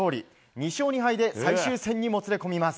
２勝２敗で最終戦にもつれ込みます。